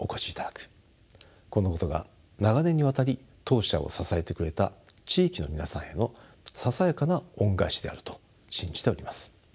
このことが長年にわたり当社を支えてくれた地域の皆さんへのささやかな恩返しであると信じております。